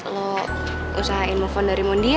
lo usahain nge phone dari mondi ya